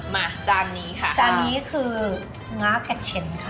มาจานนี้ค่ะจานนี้คือง้าแพทเชนค่ะ